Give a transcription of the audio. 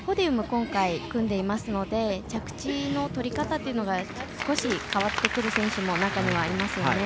今回組んでいますので着地のとり方というのが少し変わってくる選手も中にはいますよね。